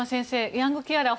ヤングケアラー